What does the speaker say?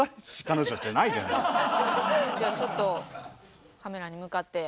じゃあちょっとカメラに向かって。